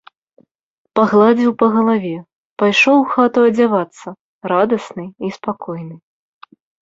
Пагладзіў па галаве, пайшоў у хату адзявацца, радасны і спакойны.